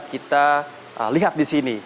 kita lihat di sini